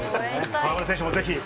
河村選手もぜひ。